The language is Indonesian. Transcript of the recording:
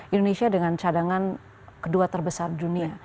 indonesia dengan cadangan kedua terbesar dunia